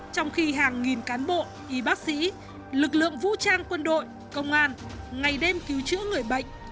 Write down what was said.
trong khi hàng nghìn cán bộ y bác sĩ lực lượng vũ trang quân đội công an ngày đêm cứu chữa người bệnh